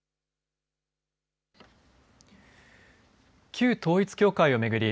旧統一教会を巡り